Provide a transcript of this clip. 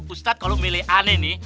ustadz kalau milih aneh nih